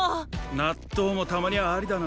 納豆もたまにはありだな。